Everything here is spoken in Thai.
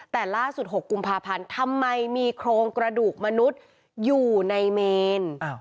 แต่ล่าสุด๖กุมภาพันธ์ทำไมมีโครงกระดูกมนุษย์อยู่ในเมน